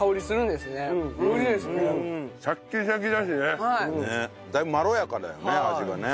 だいぶまろやかだよね